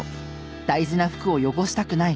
大事な服を汚したくない。